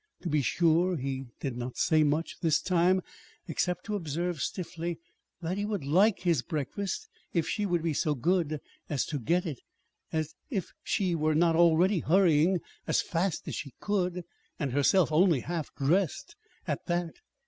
To be sure, he did not say much, this time, except to observe stiffly that he would like his breakfast, if she would be so good as to get it as if she were not already hurrying as fast as she could, and herself only half dressed at that!